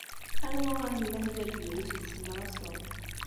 Anwa ahil amgal-virus i tessemraseḍ?